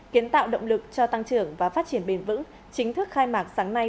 kiến tạo động lực cho tăng trưởng và phát triển bền vững chính thức khai mạc sáng nay